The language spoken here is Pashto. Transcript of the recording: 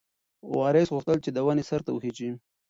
وارث غوښتل چې د ونې سر ته وخیژي.